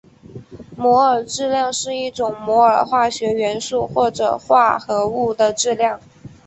摩尔质量是一摩尔化学元素或者化合物的质量。